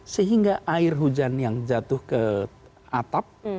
sehingga air hujan yang jatuh ke atap